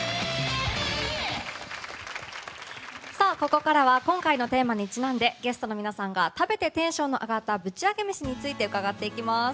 ここからは今回のテーマにちなんでゲストの皆さんが食べてテンションの上がったぶちアゲ飯について伺っていきます。